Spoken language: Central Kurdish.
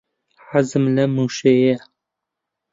حەزم لەم وشەیەیە.